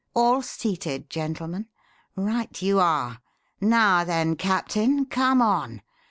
All seated, gentlemen? Right you are. Now then, Captain, come on.